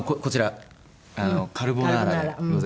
カルボナーラ。